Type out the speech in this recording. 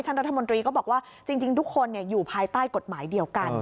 รัฐมนตรีก็บอกว่าจริงทุกคนอยู่ภายใต้กฎหมายเดียวกัน